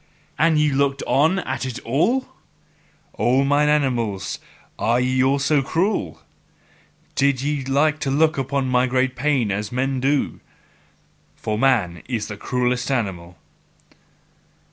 AND YE LOOKED ON AT IT ALL? O mine animals, are ye also cruel? Did ye like to look at my great pain as men do? For man is the cruellest animal.